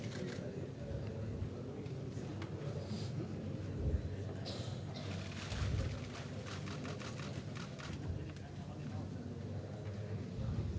ketua komisi pemilihan umum republik indonesia